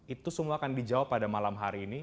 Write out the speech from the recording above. itu semua akan dijawab pada malam hari ini